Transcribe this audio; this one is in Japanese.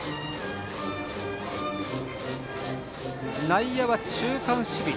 内野は中間守備。